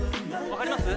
わかります。